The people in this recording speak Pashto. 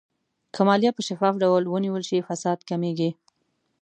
که مالیه په شفاف ډول ونیول شي، فساد کمېږي.